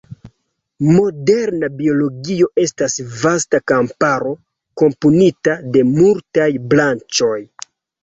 Moderna biologio estas vasta kamparo, komponita de multaj branĉoj.